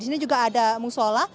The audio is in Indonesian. di sini juga ada musola